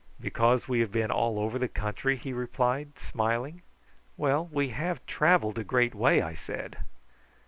"Because we have been all over the country?" he replied, smiling. "Well, we have travelled a great way," I said.